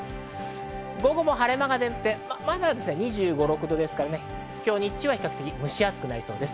午後も晴れ間が出て、２５２６度ですから、比較的、日中は蒸し暑くなりそうです。